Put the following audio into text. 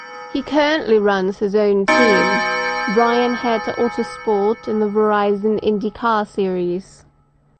He currently runs his own team, Bryan Herta Autosport in the Verizon IndyCar Series.